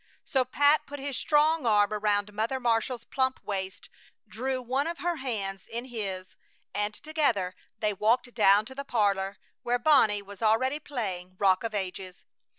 So Pat put his strong arm around Mother Marshall's plump waist, drew one of her hands in his, and together they walked down to the parlor, where Bonnie was already playing "Rock of Ages."